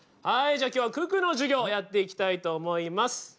はいじゃあ今日は九九の授業やっていきたいと思います。